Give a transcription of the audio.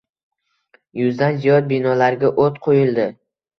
Yuzdan ziyod binolarga oʻt qoʻyildi